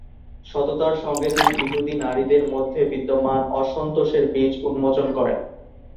সততার সঙ্গে তিনি ইহুদি নারীদের মধ্যে বিদ্যমান অসন্তোষের বীজ উন্মোচন করেন।